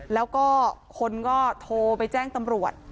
แล้วก็คนก็โทรไปแจ้งตำรวจ